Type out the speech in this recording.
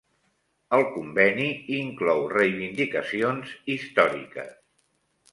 El conveni inclou reivindicacions històriques